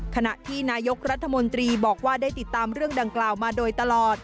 ขณะที่นายกรัฐมนตรีบอกว่าได้ติดตามเรื่องดังกล่าวมาโดยตลอด